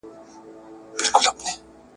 تخنيکي پوهه د الوتکي چلولو